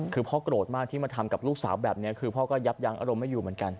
คือพ่อโกรธมากที่มาทำกับลูกสาวแบบนี้คือพ่อก็ยับยั้งอารมณ์ไม่อยู่เหมือนกัน